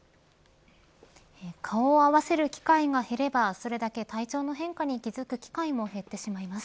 顔を合わせる機会が減ればそれだけ体調の変化に気付く機会も減ってしまいます。